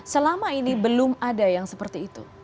selama ini belum ada yang seperti itu